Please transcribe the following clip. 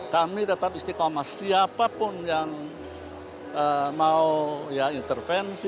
kami tetap istiqomah siapapun yang mau intervensi